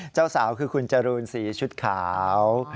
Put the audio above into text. เจ้าสาวคือคุณจรูนสีชุดขาว